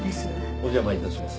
お邪魔致します。